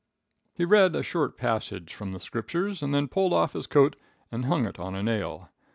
"He read a short passage from the Scriptures, and then pulled off his coat and hung it on a nail.